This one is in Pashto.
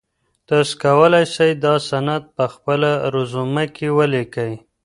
تاسو کولای سئ دا سند په خپله رزومه کي ولیکئ.